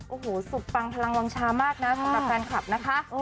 โอ้โหสุดปังพลังวางชามากนะสำหรับแฟนคลับนะคะ